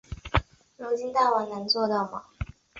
如今大王能做到吗？